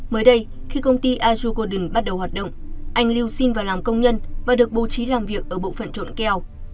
mới đây khi công ty aju golden bắt đầu hoạt động anh lưu xin vào làm công nhân và được bố trí làm việc ở bộ phận trộn keo